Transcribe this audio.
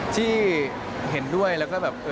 ที่เห็นด้วยแล้วก็แบบ